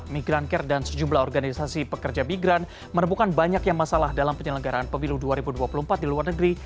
migrancare dan sejumlah organisasi pekerja migran menemukan banyaknya masalah dalam penyelenggaraan pemilu dua ribu dua puluh empat di luar negeri